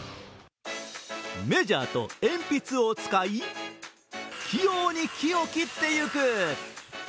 メジャーと鉛筆を使い器用に木を切っていく。